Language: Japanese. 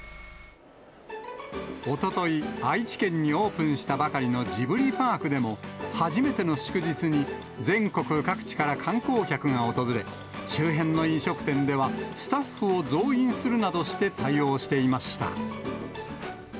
おととい、愛知県にオープンしたばかりのジブリパークでも、初めての祝日に、全国各地から観光客が訪れ、周辺の飲食店では、スタッフを増員するなどして対応していました。